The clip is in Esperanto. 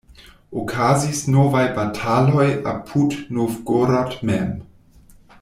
Okazis novaj bataloj apud Novgorod mem.